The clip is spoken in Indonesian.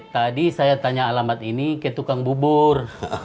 tadi saya tanya alamat ini ke tukang bubur